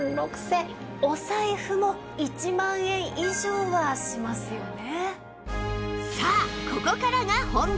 お財布も１万円以上はしますよね。